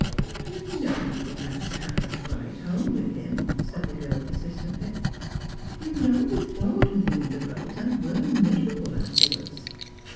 " You know you were glad to have that nde home with him,* said the girl persistently. "You know you quarrelled with him in the boat, and were miserable afterwards.